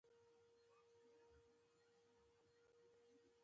سپېڅلی: پاک سم دی.